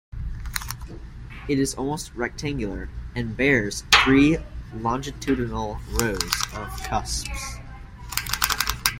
It is almost rectangular and bears three longitudinal rows of cusps.